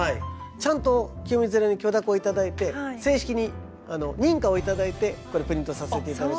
ちゃんと清水寺に許諾を頂いて正式に認可を頂いてこれプリントさせていただいてるんです。